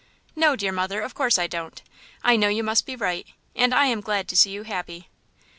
"No, dear mother, of course I don't. I know you must be right, and I am glad to see you happy."